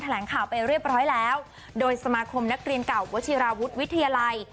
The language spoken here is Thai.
แหลงข่าวไปเรียบร้อยแล้วโดยสมาคมนักเรียนเก่าวชิราวุฒิวิทยาลัย